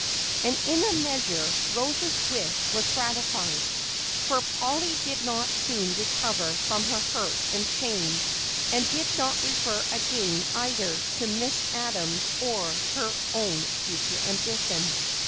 And in a measure Rose's wish was gratified, for Polly did not soon recover from her hurt and shame and did not refer again either to Miss Adams or her own future ambition.